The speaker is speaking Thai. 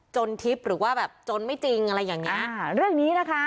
ทิพย์หรือว่าแบบจนไม่จริงอะไรอย่างเงี้เรื่องนี้นะคะ